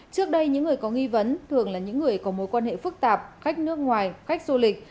trước đây những người có nghi vấn thường là những người có mối quan hệ phức tạp khách nước ngoài khách du lịch